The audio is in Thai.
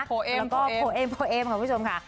โปเอมก็คุณผู้ชมค่ะ